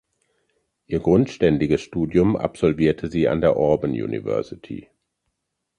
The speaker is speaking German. Ihr Grundständiges Studium absolvierte sie an der Auburn University.